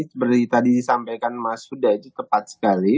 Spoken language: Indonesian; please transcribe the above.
seperti tadi disampaikan mas huda itu tepat sekali